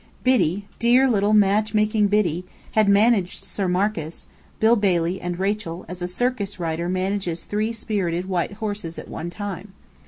Biddy dear little matchmaking Biddy had managed Sir Marcus, Bill Bailey and Rachel, as a circus rider manages three spirited white horses at one time.